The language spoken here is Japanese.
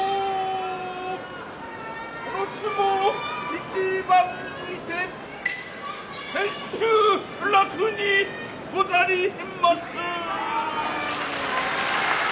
この相撲一番にて千秋楽にござりまする！